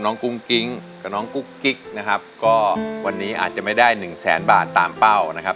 กุ้งกิ๊งกับน้องกุ๊กกิ๊กนะครับก็วันนี้อาจจะไม่ได้หนึ่งแสนบาทตามเป้านะครับ